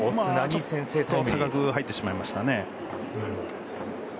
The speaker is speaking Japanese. ちょっと高く入ってしまいましたね。